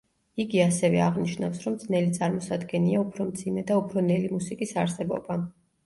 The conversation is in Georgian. იგი ასევე აღნიშნავს, რომ ძნელი წარმოსადგენია უფრო მძიმე და უფრო ნელი მუსიკის არსებობა.